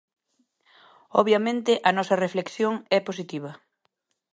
Obviamente, a nosa reflexión é positiva.